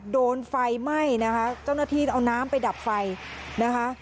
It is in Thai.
โดนไฟไหม้นะคะเจ้าหน้าที่เอาน้ำไปดับไฟนะคะ